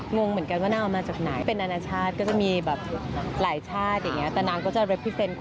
เมื่องเหมือนกันน่าออกมาจากไหน